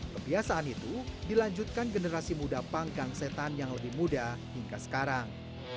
kebiasaan itu dilanjutkan generasi muda pangkang setan yang lebih muda hingga sekarang